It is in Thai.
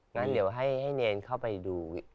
งั้นเดี๋ยวให้เนรเข้าไปดู